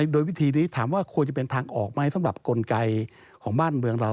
โดยวิธีนี้ถามว่าควรจะเป็นทางออกไหมสำหรับกลไกของบ้านเมืองเรา